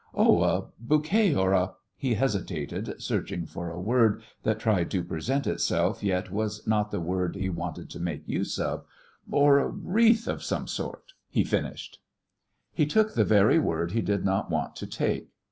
"Oh, a bouquet or a" he hesitated, searching for a word that tried to present itself, yet was not the word he wanted to make use of "or a wreath of some sort?" he finished. He took the very word he did not want to take.